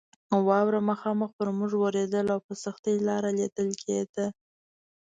واوره مخامخ پر موږ ورېدله او په سختۍ لار لیدل کېده.